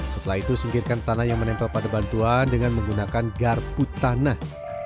setelah itu singkirkan tanah yang menempel pada bantuan dengan menggunakan garpu tanah